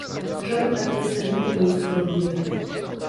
Żaden artysta nigdy nie jest chorobliwy.